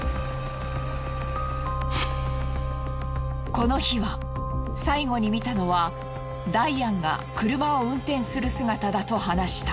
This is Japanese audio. この日は最後に見たのはダイアンが車を運転する姿だと話した。